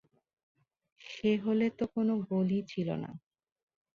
সে হলে তো কোনো গোলই ছিল না!